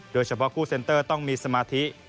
โดยเฉพาะคู่เซ็นเตอร์ต้องมีสมาธิ